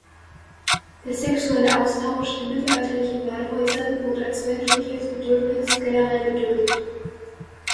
Der sexuelle Austausch in mittelalterlichen Badehäusern wurde als menschliches Bedürfnis generell geduldet.